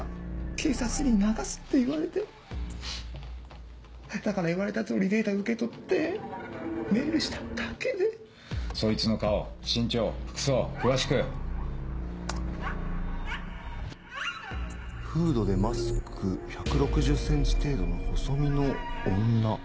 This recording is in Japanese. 警察に流す」ってだから言われた通りデータ受け取ってメールしただけでそいつの顔身長服装詳しくフードでマスク１６０ｃｍ程度の細身の女。